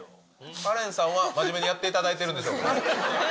カレンさんは、真面目にやっていただいているんでしょうか。